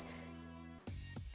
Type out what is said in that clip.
kapan ketika kamu pertama kali masuk